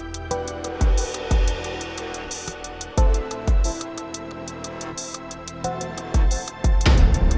bukan terus cakap nanti nanya